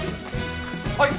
はい！